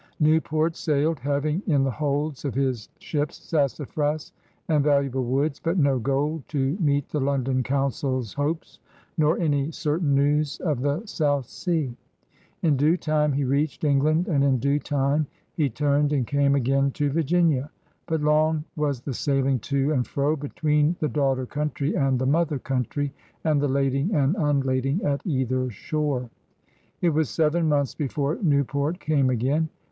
Newport sailed, having in the holds of his ships sassafras and valuable woods but no gold to meet the London Council's hopes, nor any certain news of the South Sea. In due time he reached England, and in due time he tiimed and came again to Vir ginia. But long was the sailing to and fro between the daughter country and the mother coimtry and the lading and imlading at either shore. It was seven months before Newport came again.